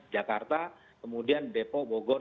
jakarta kemudian depo bogor